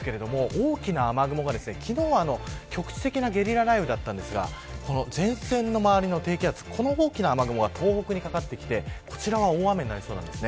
大きな雨雲が、昨日は局地的なゲリラ雷雨だったんですがこの前線の周りの低気圧大きな雨雲が東北にかかってきてこちらは大雨になりそうです。